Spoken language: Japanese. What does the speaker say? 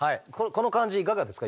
この感じいかがですか？